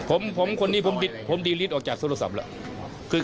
ผมคนนี้ผมดีลิสออกจากโทรศัพท์แล้ว